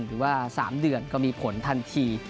หรือว่า๓เดือนก็มีผลทันที